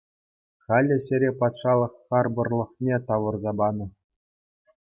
Халӗ ҫӗре патшалӑх харпӑрлӑхне тавӑрса панӑ.